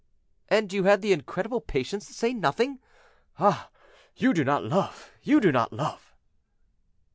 "And you had the incredible patience to say nothing! Ah! you do not love, you do not love."